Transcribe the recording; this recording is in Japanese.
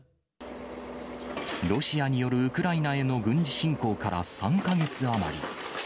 ロシアによるウクライナへの軍事侵攻から３か月余り。